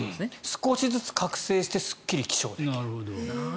少しずつ覚醒してすっきり起床と。